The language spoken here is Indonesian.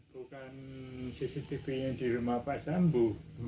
bukan cctv nya di rumah pak sambo